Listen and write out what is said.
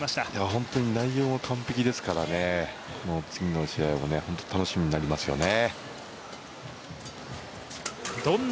本当に内容も完璧ですから次の試合も本当に楽しみになりますよね。